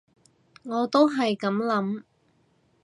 我都係噉諗